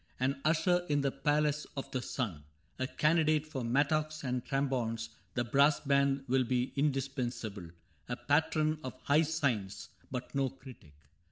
An usher in the Palace of the Sun, A candidate for mattocks and trombones (The brass band will be indispensable), A patron of high science, but no critic.